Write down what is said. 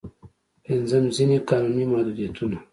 پنځم: ځينې قانوني محدودیتونه.